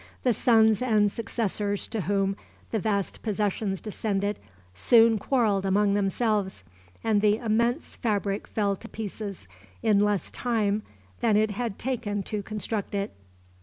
The sons and successors to whom the vast possessions descended soon quarreled among themselves, and the immense fabric fell to pieces in less time than it had taken to construct it.